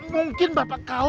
mungkin bapak kau